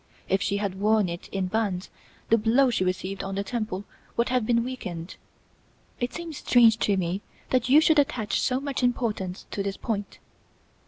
If she had worn it in bands, the blow she received on the temple would have been weakened.' It seems strange to me that you should attach so much importance to this point."